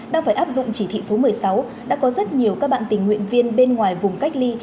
đang phải áp dụng chỉ thị số một mươi sáu đã có rất nhiều các bạn tình nguyện viên bên ngoài vùng cách ly